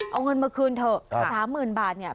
เอาเงินมาคืนเถอะ๓๐๐๐บาทเนี่ย